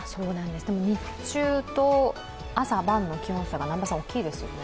でも日中と朝晩の気温差が大きいですよね。